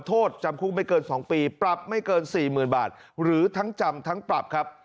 โทษจำคุกไม่เกิน๒ปีปรับไม่เกิน๔๐๐๐บาทหรือทั้งจำทั้งปรับครับ